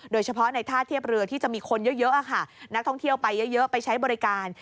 โดยเฉพาะในท่าเทียบเรือที่จะมีคนเยอะค่ะนักท่องเที่ยวไปเยอะไปใช้บริการ